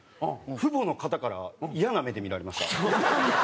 父母の方からイヤな目で見られました。